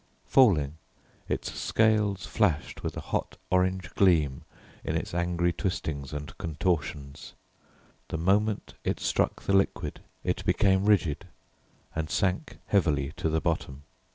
Falling, its scales flashed with a hot orange gleam in its angry twistings and contortions; the moment it struck the liquid it became rigid and sank heavily to the bottom.